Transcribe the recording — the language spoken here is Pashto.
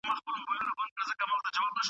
دى بيا د ميني لېونى دئ دادئ در بـه يــې كړم